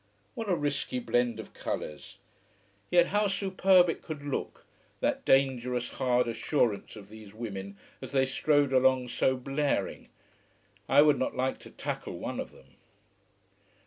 What a risky blend of colours! Yet how superb it could look, that dangerous hard assurance of these women as they strode along so blaring. I would not like to tackle one of them.